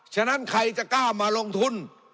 ฉะนั้นใครจะกล้ามาลงทุน